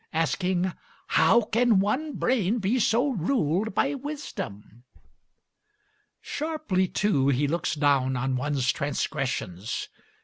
Asking "How can one brain be so ruled by Wisdom?" Sharply, too, he looks down on one's transgressions.